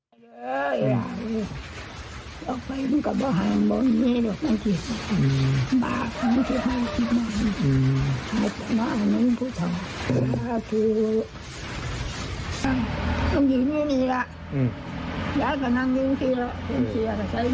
เอาหนึ่งพูดพออ่าทูลุนั้นอยู่นี่นี่แหละอืมยายก็นั่งนี่หนึ่งทีแล้ว